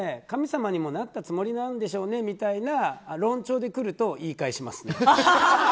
神様にもなったつもりなんでしょうねみたいな論調でくると言い返しますね。